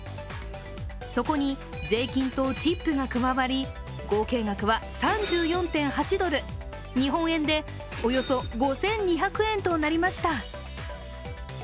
そこに税金とチップが加わり、合計額は３４．８ドル、日本円でおよそ５２００円となりました。